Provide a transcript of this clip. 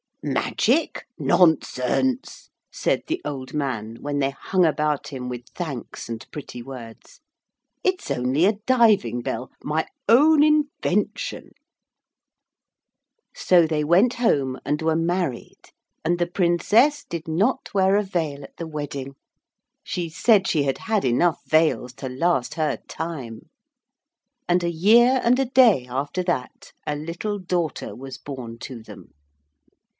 'Magic? Nonsense,' said the old man when they hung about him with thanks and pretty words. 'It's only a diving bell. My own invention.' So they went home and were married, and the Princess did not wear a veil at the wedding. She said she had had enough veils to last her time. And a year and a day after that a little daughter was born to them.